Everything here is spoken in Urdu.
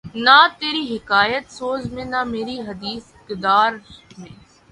نہ تری حکایت سوز میں نہ مری حدیث گداز میں